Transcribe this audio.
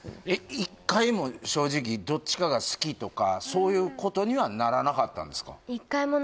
１回も正直どっちかが好きとかそういうことにはならなかったんですか？